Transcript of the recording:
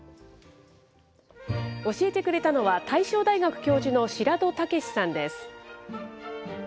教えてくれたのは、大正大学教授の白土健さんです。